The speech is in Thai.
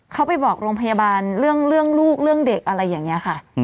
เขาไปบอกโรงพยาบาลเรื่องลูกเรื่องเด็กอะไรอย่างนี้ค่ะ